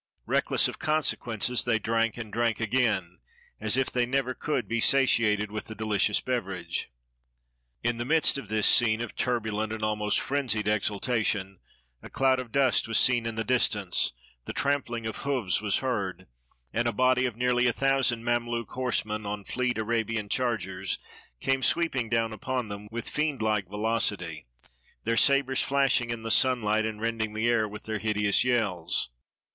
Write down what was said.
Reckless of consequences, they drank and drank again, as if they never could be satiated with the delicious beverage. In the midst of this scene of turbulent and almost frenzied exultation, a cloud of dust was seen in the dis tance, the trampling of hoofs was heard, and a body of nearly a thousand Mameluke horsemen, on fleet Ara~ bian chargers, came sweeping down upon them with fiendlike velocity, their sabers flashing in the sunlight, and rending the air with their hideous yells.